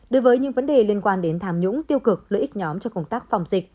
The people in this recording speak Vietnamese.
đối với những vấn đề liên quan đến tham nhũng tiêu cực lợi ích nhóm cho công tác phòng dịch